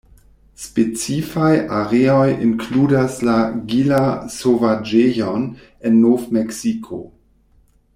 Specifaj areoj inkludas la Gila-Sovaĝejon en Nov-Meksiko.